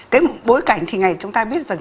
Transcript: cái bối cảnh thì ngày chúng ta biết rằng